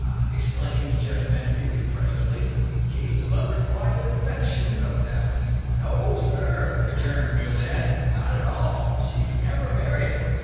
exclaimed Judge Menefee, impressively; "a case of unrequited affection, no doubt." "No, sir," returned Bildad, "not at all. She never married him.